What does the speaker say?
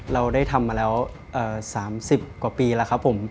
เราได้ทำมาแล้ว๓๐กว่าปีแล้วครับผม